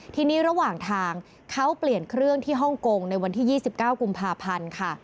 ทีนี้ระหว่างทางเขาเปลี่ยนเครื่องที่ฮ่องกงในวันที่๒๙กุมภาพันธ์ค่ะ